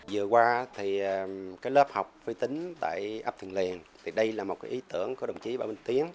vừa qua thì cái lớp học phi tính tại ấp thuận liền thì đây là một cái ý tưởng của đồng chí bà minh tiến